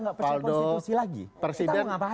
tidak percaya konstitusi lagi kita mau ngapain